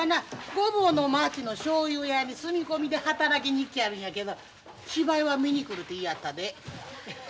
御坊の町のしょうゆ屋に住み込みで働きに行きやるんやけど芝居は見に来るて言いやったで。